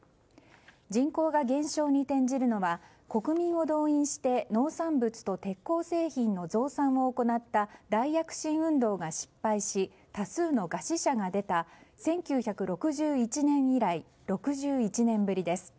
人口が減少に転じるのは国民を動員して農産物と鉄鋼製品の増産を行った大躍進運動が失敗し多数の餓死者が出た１９６１年以来６１年ぶりです。